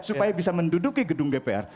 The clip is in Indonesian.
supaya bisa menduduki gedung dpr